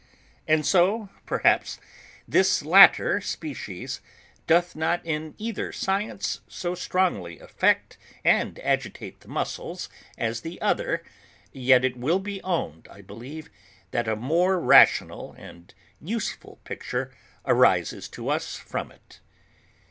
And though perhaps this latter species doth not in either science so strongly affect and agitate the muscles as the other; yet it will be owned, I believe, that a more rational and useful pleasure arises to us from it.